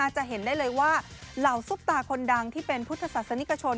จะเห็นได้เลยว่าเหล่าซุปตาคนดังที่เป็นพุทธศาสนิกชน